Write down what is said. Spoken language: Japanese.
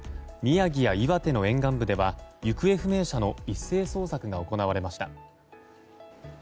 宮城や岩手の沿岸部では行方不明者の一斉捜索が行われました。